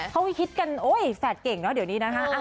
เขาฮิตกันโอ๊ยแฝดเก่งเนอะเดี๋ยวนี้นะคะ